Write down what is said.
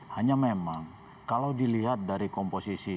hanya memang kalau dilihat dari komposisi